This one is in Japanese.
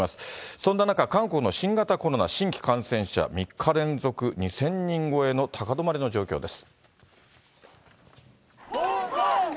そんな中、韓国の新型コロナ、新規感染者３日連続２０００人超えの高止まりの状況です。